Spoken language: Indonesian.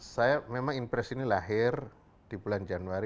saya memang impresi ini lahir di bulan januari dua ribu sembilan belas